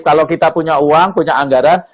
kalau kita punya uang punya anggaran